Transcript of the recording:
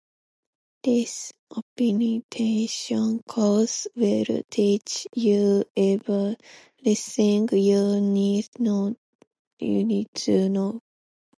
This orientation course will teach you everything you need to know.